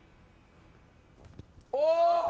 お！